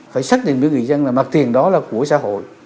phải xác định với người dân là mặt tiền đó là của xã hội